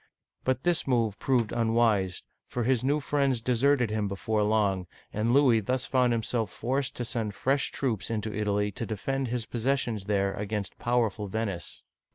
But this move proved unwise, for his new friends deserted him before long, and Louis thus found himself forced to send fresh troops Digitized by Google LOUIS XII. (1498 1515) 223 into Italy to defend his possessions there against power ful Venice.